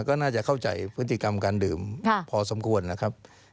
ก็น่าจะเข้าใจพฤติกรรมการดื่มพอสมควรนะครับ